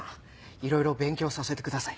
いろいろ勉強させてください。